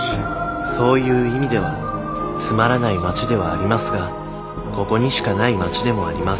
そういう意味ではつまらない町ではありますがここにしかない町でもあります